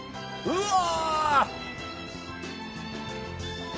うわ！